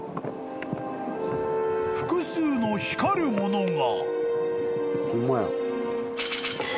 ［複数の光るものが］